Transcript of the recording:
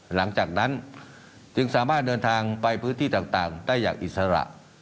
หลังจากนั้นจึงสามารถเดินทางไปพื้นที่ต่างได้อย่างอิสระ